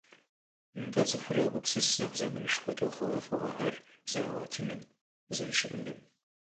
АтӀэ цӀыхур йогупсыс нэхъ зэманышхуэкӀэ хъугъуэфӀыгъуэхэр зэрагъуэтыным, зэрыщыӀэным.